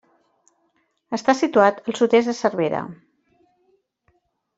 Està situat al sud-est de Cervera.